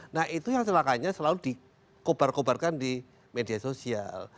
nah itu yang celakanya selalu dikobar kobarkan di media sosial